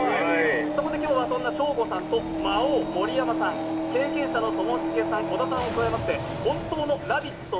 そこで今日はそんなショーゴさんと魔王・盛山さん、経験者のともしげさん、小田さんを加えまして本当の「ラヴィット！」